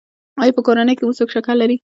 ایا په کورنۍ کې مو څوک شکر لري؟